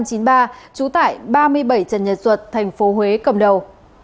trú tại ba mươi bảy trần nhật duật thành phố huế cầm đầu